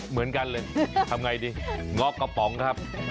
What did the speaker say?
เหมือนกันเลยทำไงดีงอกกระป๋องครับ